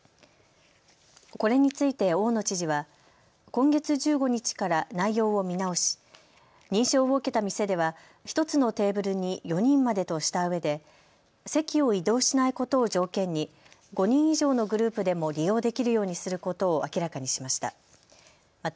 これについて大野知事は今月１５日から内容を見直し認証を受けた店では１つのテーブルに４人までとしたうえで席を移動しないことを条件に５人以上のグループでも利用できるようにすることを明らかにしました。